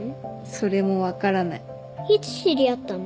それもわからないいつ知り合ったの？